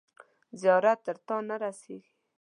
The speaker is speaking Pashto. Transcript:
زیارت تر تاته نه رسیږي.